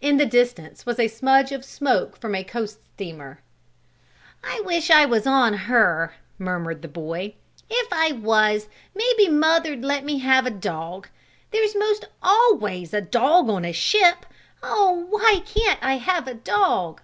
In the distance was a smudge of smoke from a coast steamer. "Wish I was on her!" murmured the boy. "If I was maybe mother'd let me have a dog. There's most always a dog on a ship. Oh, why can't I have a dog?"